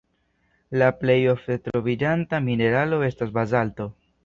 La plej ofte troviĝanta mineralo estas bazalto.